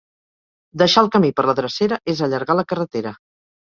Deixar el camí per la drecera és allargar la carretera.